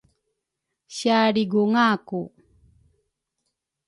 Sialrigunga ku